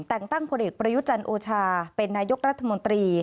แต่งตั้งผลเอกประยุจันทร์โอชาเป็นนายกรัฐมนตรี